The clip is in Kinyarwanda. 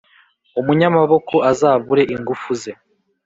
umunyamaboko azabure ingufu ze,